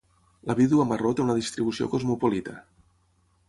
La vídua marró té una distribució cosmopolita.